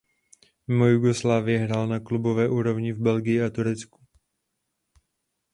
Mimo Jugoslávii hrál na klubové úrovni v Belgii a Turecku.